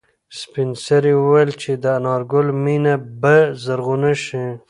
سپین سرې وویل چې د انارګل مېنه به زرغونه شي.